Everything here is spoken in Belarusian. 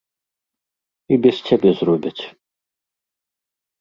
І без цябе зробяць.